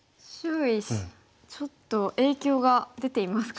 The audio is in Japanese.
ちょっと影響が出ていますか？